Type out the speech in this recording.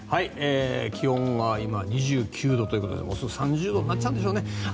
気温が今、２９度ということですぐ３０度になっちゃうんでしょうね。